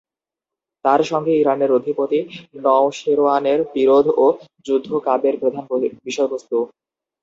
তাঁর সঙ্গে ইরানের অধিপতি নওশেরোয়ানের বিরোধ ও যুদ্ধ কাব্যের প্রধান বিষয়বস্ত্ত।